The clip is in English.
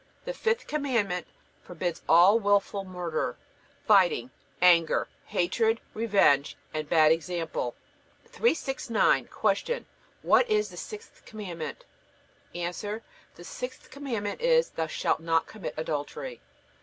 The fifth Commandment forbids all wilful murder, fighting, anger, hatred, revenge, and bad example. 369. Q. What is the sixth Commandment? A. The sixth Commandment is: Thou shalt not commit adultery.